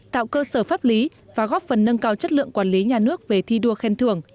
tạo cơ sở pháp lý và góp phần nâng cao chất lượng quản lý nhà nước về thi đua khen thưởng